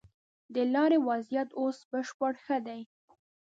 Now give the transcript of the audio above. د لارې وضيعت اوس بشپړ ښه دی.